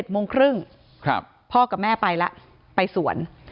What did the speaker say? โมงครึ่งพ่อกับแม่ไปแล้วไปสวน